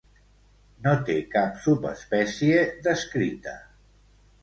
No té cap subespècie descrita.